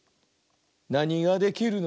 「なにができるの？